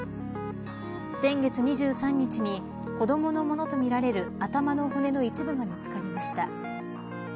先月２３日に子どものものとみられる頭の骨の一部が見つかりました。